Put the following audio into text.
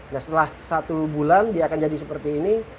nah setelah satu bulan dia akan jadi seperti ini